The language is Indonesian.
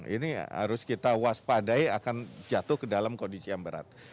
ini harus kita waspadai akan jatuh ke dalam kondisi yang berat